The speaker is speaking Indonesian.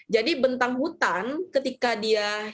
jadi bentang hutan ketika dia hilang fungsinya